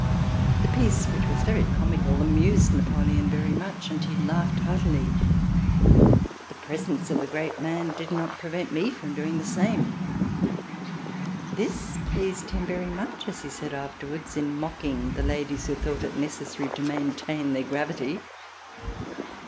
The piece which was very comical amused Napoleon very much and he laughed heartily. The presence of the great man did not prevent me from doing the same. This pleased him very much, as he said after wards in mocking the ladies who thought it necessary to maintain their gravity.